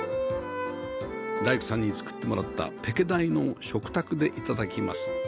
大工さんに作ってもらったペケ台の食卓で頂きます